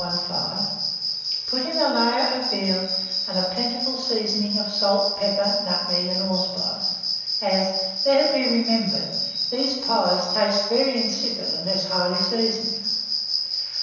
415, put in a layer of veal, and a plentiful seasoning of salt, pepper, nutmeg, and allspice, as, let it be remembered, these pies taste very insipid unless highly seasoned.